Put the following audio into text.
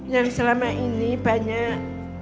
yang selama ini banyak